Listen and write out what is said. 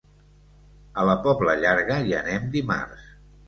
A la Pobla Llarga hi anem dimarts.